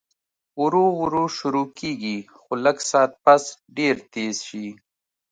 ورو ورو شورو کيږي خو لږ ساعت پس ډېر تېز شي